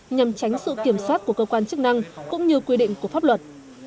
nhằm tránh sự kiểm soát của cơ quan chức năng cũng như quy định của pháp luật